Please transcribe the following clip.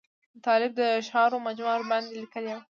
د طالب د اشعارو مجموعه ورباندې لیکلې وه.